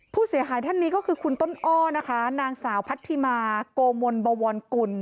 ผู้เสียหายท่านนี้ก็คือคุณต้นอ้อนะคะนางสาวพัทธิมาโกมลบวรกุล